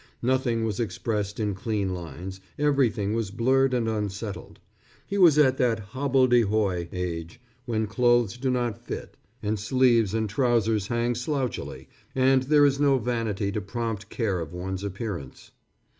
Nothing was expressed in clean lines, everything was blurred and unsettled. He was at that hobbledehoy age when clothes do not fit, and sleeves and trousers hang slouchily, and there is no vanity to prompt care of one's appearance.